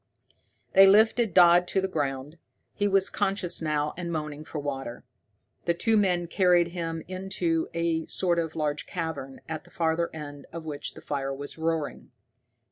They lifted Dodd to the ground. He was conscious now, and moaning for water. The two men carried him into a sort of large cavern, at the farther end of which the fire was roaring.